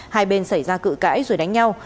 hai bên xảy ra cự cãi rồi đánh nhau